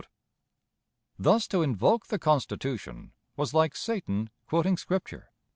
Thus to invoke the Constitution was like Satan quoting Scripture.